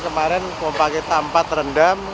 kemarin memakai tampat rendam